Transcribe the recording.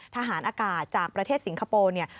ทหารอากาศจากประเทศสิงคโปร์เนี่ย